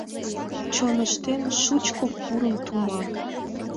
Чоныштем — шучко курым тума.